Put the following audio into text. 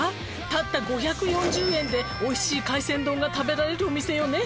たった５４０円でおいしい海鮮丼が食べられるお店よね」